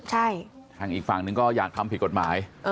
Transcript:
ใช่อีกฝั่งหนึ่งอยากทำผิดกฎหมาย